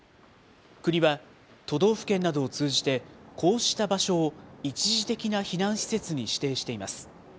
国は、都道府県などを通じて、こうした場所を一時的な避難施設に指定しています。